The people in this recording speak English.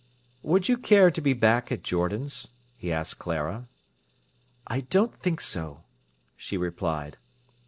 "Would you care to be back at Jordan's?" he asked Clara. "I don't think so," she replied.